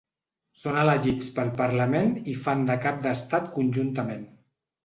Són elegits pel parlament i fan de cap d’estat conjuntament.